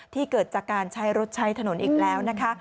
เกิดจากการใช้รถใช้ถนนอีกแล้วนะคะ